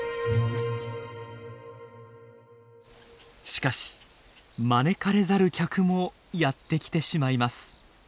しかし招かれざる客もやってきてしまいます。